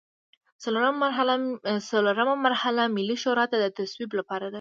څلورمه مرحله ملي شورا ته د تصویب لپاره ده.